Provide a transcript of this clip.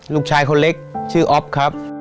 ลูกชายคนเล็กชื่ออ๊อฟครับ